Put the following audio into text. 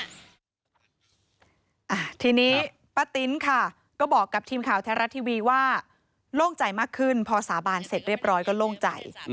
อ่าทีนี้ป้าติ๊นค่ะก็บอกกับทีมข่าวแท้รัฐทีวีว่าโล่งใจมากขึ้นพอสาบานเสร็จเรียบร้อยก็โล่งใจ